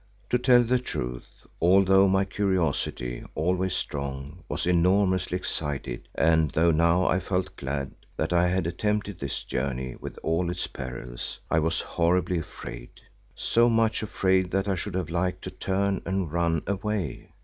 To tell the truth, although my curiosity, always strong, was enormously excited and though now I felt glad that I had attempted this journey with all its perils, I was horribly afraid, so much afraid that I should have liked to turn and run away.